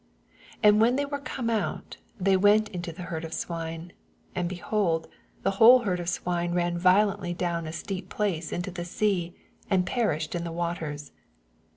And when they were come out, they went into the herd of swine : and, behold, the whole herd of swine ran violently down a steep place into the sea, ana perished in the waters.